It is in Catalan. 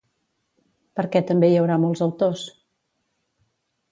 Per què també hi haurà molts autors?